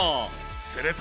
すると。